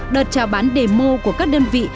đợt trò bán demo của các đơn vị